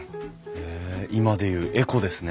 へえ今で言うエコですね。